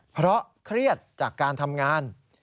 เพราะเครียดจากการทำงาน